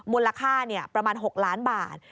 มูลค่าประมาณ๖ล้านบาท